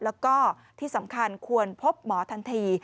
แล้วก็ที่สำคัญควรพบหมอทันที